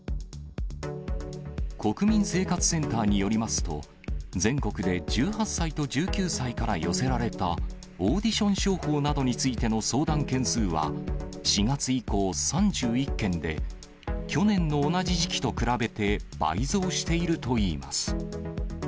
国民生活センターによりますと、全国で１８歳と１９歳から寄せられたオーディション商法などについての相談件数は、４月以降３１件で、去年の同じ時期と比べて倍増しているといいます。